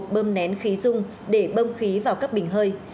bơm nén khí dung để bơm khí vào các bình hơi